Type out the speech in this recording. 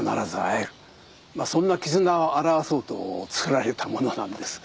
まあそんな絆を表そうと作られた物なんです。